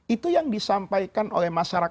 itu yang disampaikan oleh masyarakat